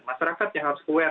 masyarakat yang harus ke wear